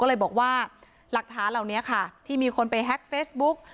ก็เลยบอกว่าหลักฐานเหล่านี้ค่ะที่มีคนไปแฮ็กเฟซบุ๊ก